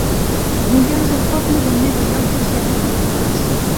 Moià és el poble d'on més rellotges hi ha documentats.